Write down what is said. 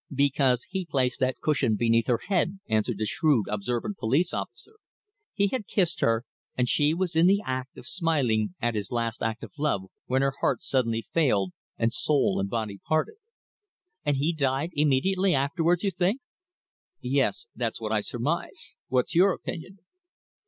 "Because he placed that cushion beneath her head," answered the shrewd, observant police officer. "He had kissed her, and she was in the act of smiling at his last act of love when her heart suddenly failed, and soul and body parted." "And he died immediately afterwards, you think?" "Yes, that's what I surmise. What's your opinion?"